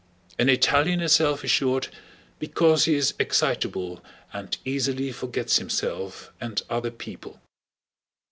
An Italian is self assured because he is excitable and easily forgets himself and other people.